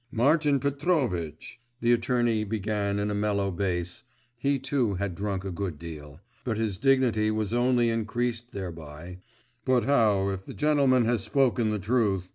…' 'Martin Petrovitch!' the attorney began in a mellow bass he too had drunk a good deal, but his dignity was only increased thereby 'but how if the gentleman has spoken the truth?